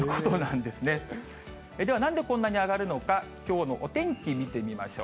ではなんでこんなに上がるのか、きょうのお天気見てみましょう。